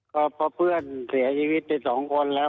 ก็เพราะเพื่อนเสียชีวิตไปสองคนแล้ว